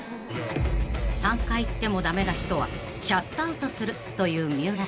［３回言ってもダメな人はシャットアウトするという三浦さん］